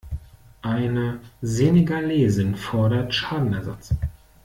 Eine Senegalesin fordert Schadenersatz.